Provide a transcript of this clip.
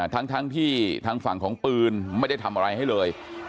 ทั้งที่ทางฝั่งของปืนไม่ได้ทำอะไรให้เลย